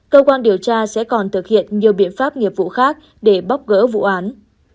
cơ quan điều tra sẽ còn thực hiện nhiều biện pháp nghiệp vụ khác để bóc gỡ vụ án